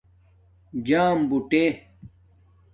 جام بُݸٹے